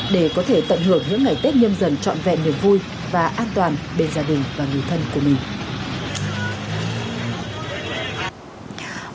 để có thể tận hưởng những ngày tết nhân dần trọn vẹn niềm vui và an toàn bên gia đình và người thân của mình